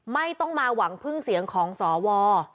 ไม่ต้องมาหวังพึ่งเสียงของสว